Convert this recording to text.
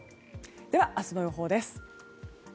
では明日の予報です。